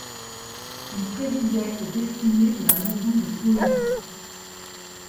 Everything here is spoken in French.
Il présidait aux destinées de la Maison de Poésie.